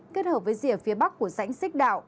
kết hợp với rìa phía bắc của sảnh xích đạo